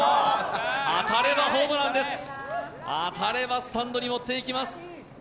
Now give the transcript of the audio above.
当たればホームランです、当たればスタンドに持っていきます。